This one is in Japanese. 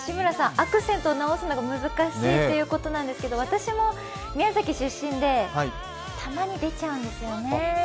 アクセントを直すのが難しいということなんですけど私も宮崎出身で、たまに出ちゃうんですよね。